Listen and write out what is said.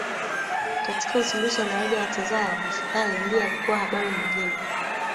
Katika uzinduzi wa daraja la Tazara Mfugale ndiye alikuwa habari ya mjini